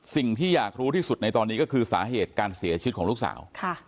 สิ่งที่อยากรู้ที่สุดในตอนนี้ก็คือสาเหตุการเสียชีวิตของลูกสาว